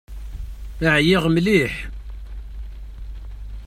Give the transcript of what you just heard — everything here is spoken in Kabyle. Ɛyiɣ mliḥ.